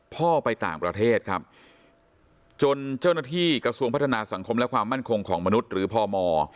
พ่อไปต่างประเทศครับจนเจ้าหน้าที่กระทรวงพัฒนาสังคมและความมั่นคงของมนุษย์หรือพม